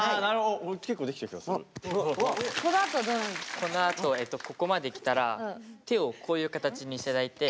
このあとえとここまできたら手をこういう形にして頂いて。